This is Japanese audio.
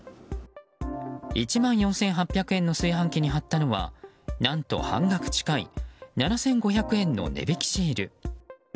１万４８００円の炊飯器に貼ったのは何と半額近い７５００円の値引きシール。